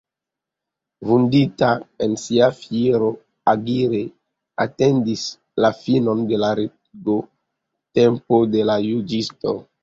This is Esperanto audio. Vundita en sia fiero, Aguirre atendis la finon de la regotempo de la juĝisto.